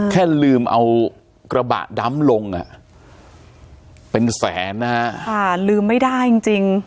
แค่ลืมเอากระบะดำลงอ่ะเป็นแสนนะฮะค่ะลืมไม่ได้จริงจริง